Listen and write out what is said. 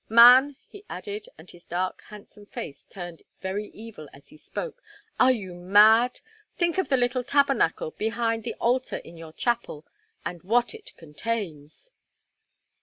Man!" he added, and his dark, handsome face turned very evil as he spoke, "are you mad? Think of the little tabernacle behind the altar in your chapel, and what it contains."